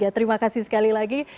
terima kasih sekali lagi